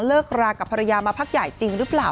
เลิกรากับภรรยามาพักใหญ่จริงหรือเปล่า